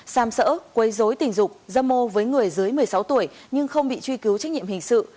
xam sỡ quấy dối tình dục dâm mô với người dưới một mươi sáu tuổi nhưng không bị truy cứu trách nhiệm hình sự